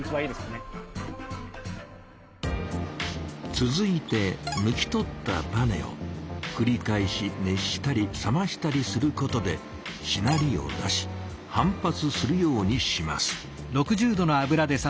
続いて抜き取ったバネをくり返し熱したり冷ましたりすることでしなりを出し反発するようにします。